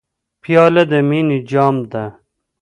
پیاله د مینې جام ده.